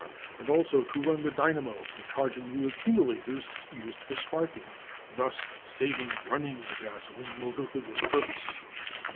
and also to run the dynamo for charging the accumulators used for sparking, thus saving running the gasolene motor for this purpose.